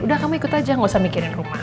udah kamu ikut aja gak usah mikirin rumah